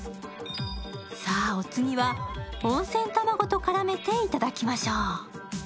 さあ、お次は温泉卵と絡めていただきましょう。